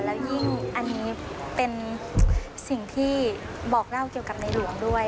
แล้วยิ่งอันนี้เป็นสิ่งที่บอกเล่าเกี่ยวกับในหลวงด้วย